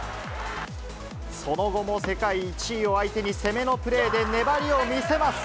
その後も世界１位を相手に、攻めのプレーで粘りを見せます。